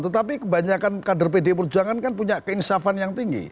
tetapi kebanyakan kader pdi perjuangan kan punya keinsafan yang tinggi